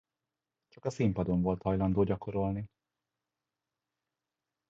Csak a színpadon volt hajlandó gyakorolni.